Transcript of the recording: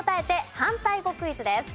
反対語クイズです。